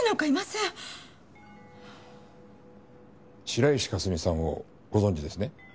白石佳澄さんをご存じですね？